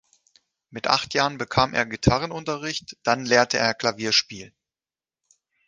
Mit acht Jahren bekam er Gitarrenunterricht; dann lernte er Klavierspiel.